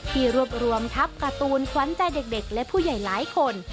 ที่รวบรวมทัพการ์ตูนขวัญใจเด็กและผู้ใหญ่หลายคน